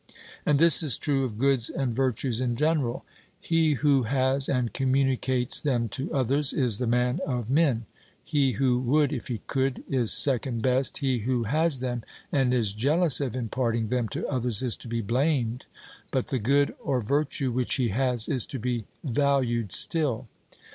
And this is true of goods and virtues in general; he who has and communicates them to others is the man of men; he who would, if he could, is second best; he who has them and is jealous of imparting them to others is to be blamed, but the good or virtue which he has is to be valued still.